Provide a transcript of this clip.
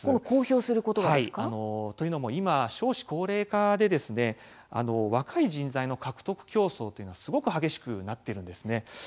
公表することがですか？というのも今、少子高齢化で若い人材の獲得競争というのがすごく激しくなっているんですね。